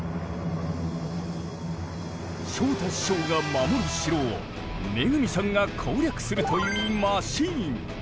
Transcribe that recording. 昇太師匠が守る城を恵さんが攻略するというマシーン。